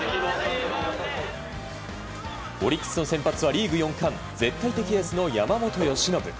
オリックスの先発はリーグ４冠絶対的エースの山本由伸。